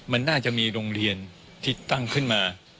มันน่าจะมีโรงเรียนที่ตั้งขึ้นมา